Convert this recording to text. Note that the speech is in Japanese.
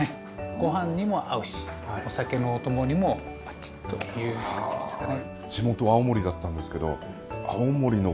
ご飯にも合うしお酒のお供にもバッチリという感じですかね。